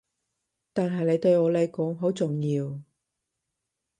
但係你對我嚟講好重要